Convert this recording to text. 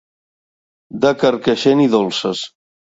De Carcaixent i dolces.